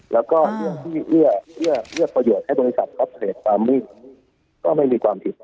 แล้วก็เรื่องที่เอื้อเอื้อประโยชน์ให้บริษัทท็อปเทรดความมืดก็ไม่มีความผิด